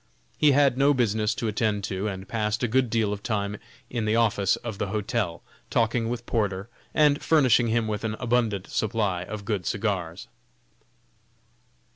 He had no business to attend to and passed a good deal of time in the office of the hotel, talking with Porter and furnishing him with an abundant supply of good cigars.